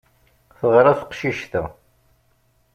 Teɣra teqcic-a.